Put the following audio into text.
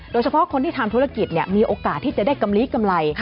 โดยเฉพาะคนที่ทำธุรกิจมีโอกาสที่จะได้กำลีกำไร